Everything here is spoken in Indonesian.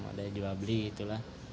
ada yang jual beli gitu lah